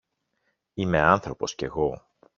Είμαι άνθρωπος κι εγώ!